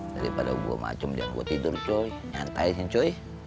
daripada gua macem dia yang gua tidur coy nyantai di sini coy